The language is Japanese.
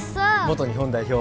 元日本代表